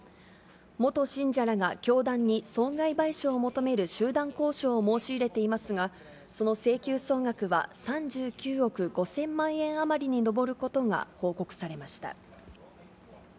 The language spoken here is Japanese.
元信者らが、教団に損害賠償を求める集団交渉を申し入れていますが、その請求総額は、３９億５０００万円余りに上ることが報告されました。